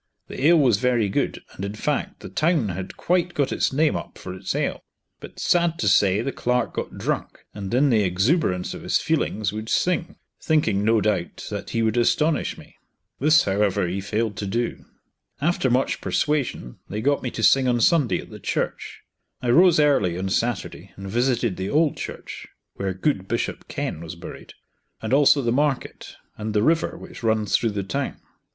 The ale was very good, and in fact the town had quite got its name up for its ale. But sad to say the clerk got drunk, and in the exuberance of his feelings would sing, thinking no doubt that he would astonish me. This, however, he failed to do. After much persuasion they got me to sing on Sunday at the church. I rose early on Saturday and visited the old church (where good Bishop Kenn was buried), and also the market, and the river which runs through the town.